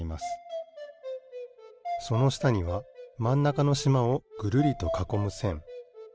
そのしたにはまんなかのしまをぐるりとかこむせん。